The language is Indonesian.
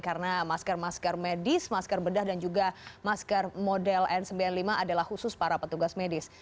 karena masker masker medis masker bedah dan juga masker model n sembilan puluh lima adalah khusus para petugas medis